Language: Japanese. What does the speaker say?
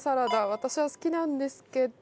私は好きなんですけど。